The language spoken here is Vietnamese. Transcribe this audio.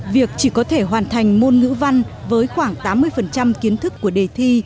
việc chỉ có thể hoàn thành môn ngữ văn với khoảng tám mươi kiến thức của đề thi